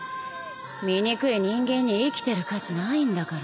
醜い人間に生きてる価値ないんだから。